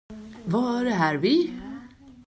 Var är vi?